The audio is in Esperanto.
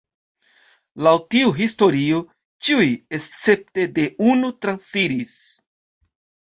Laŭ tiu historio ĉiuj escepte de unu transiris.